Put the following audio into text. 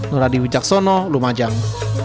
nur hadi wicaksono lumajang